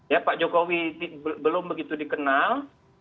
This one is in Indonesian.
ya pak jokowi belum begitu dikenal